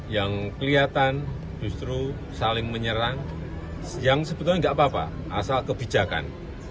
yang kelihatan justru saling menyerang yang sebetulnya nggak apa apa asal kebijakan